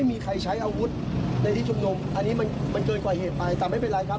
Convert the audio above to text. มันเกิดกว่าเหตุไปแต่ไม่เป็นไรครับ